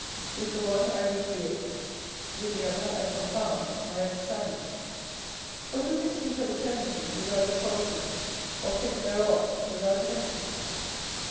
With the one I recreate, with the other I confound, my understanding: for who can speak of eternity without a solecism, or think thereof without an ecstasy?